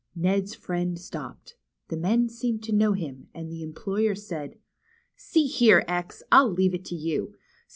Ned's friend stopped. The men seemed to know him, and the employer said : See here, X, I'll leave it to you.